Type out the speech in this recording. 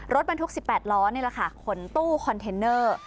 รถบรรทุก๑๘ล้อนี่แหละค่ะขนตู้คอนเทนเนอร์